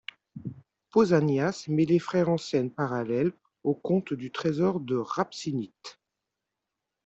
Pausanias met les frères en scène parallèle au conte du trésor de Rhampsinite.